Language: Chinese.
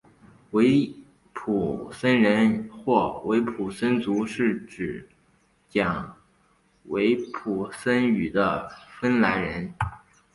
维普森人或维普森族是指讲维普森语的芬兰人。